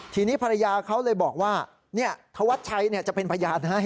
ทีนี้ภรรยาเขาเลยบอกว่าธวัดชัยจะเป็นพยานให้